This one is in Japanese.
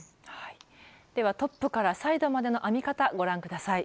ではトップからサイドまでの編み方ご覧下さい。